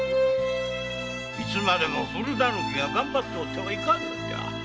いつまでも古ダヌキが頑張っててはいかんのじゃ。